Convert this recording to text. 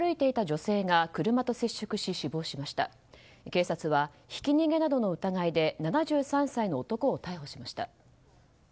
警察はひき逃げなどの疑いで７３歳の男を逮捕しました。